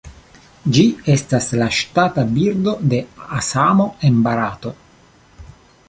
Ĝi estas la ŝtata birdo de Asamo en Barato.